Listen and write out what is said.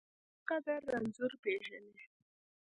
د صحت قدر رنځور پېژني .